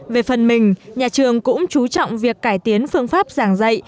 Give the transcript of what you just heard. về phần mình nhà trường cũng chú trọng việc cải tiến phương pháp giảng dạy